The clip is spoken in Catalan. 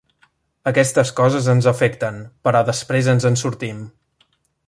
Aquestes coses ens afecten, però després ens en sortim.